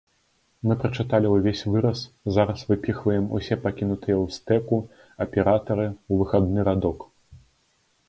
Мы прачыталі ўвесь выраз, зараз выпіхваем усе пакінутыя ў стэку аператары ў выхадны радок.